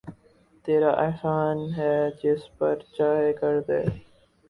تیرا احسان ہے جس پر چاہے کردے